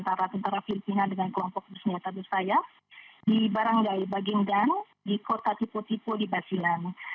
di wilayah tentara filipina dengan kelompok bersenjata abu sayyaf di baranggai bagindang di kota tipo tipo di basilan